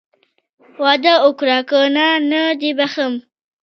واده وکړه که نه نه دې بښم.